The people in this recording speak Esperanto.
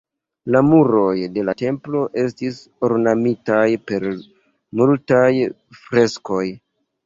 La muroj de la templo estis ornamitaj per multaj freskoj.